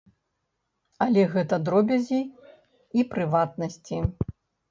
Але гэта дробязі і прыватнасці.